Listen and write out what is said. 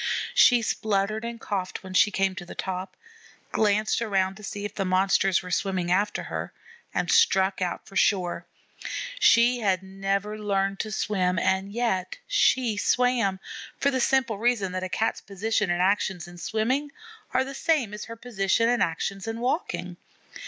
She spluttered and coughed when she came to the top, glanced around to see if the Monsters were swimming after her, and struck out for shore. She had never learned to swim, and yet she swam, for the simple reason that a Cat's position and actions in swimming are the same as her position and actions in walking.